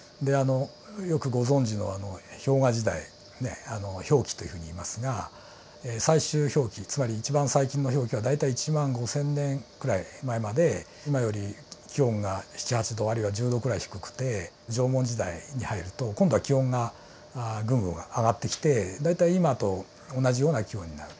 よくご存じの氷河時代ね氷期というふうにいいますが最終氷期つまり一番最近の氷期は大体１万５，０００年くらい前まで今より気温が７８度あるいは１０度くらい低くて縄文時代に入ると今度は気温がぐんぐん上がってきて大体今と同じような気温になると。